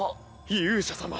勇者様！